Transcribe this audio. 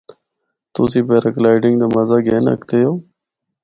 تُسیں پیرا گلائیڈنگ دا مزہ گن ہکدے او۔